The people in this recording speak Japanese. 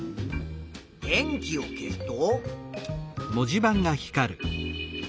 電気を消すと。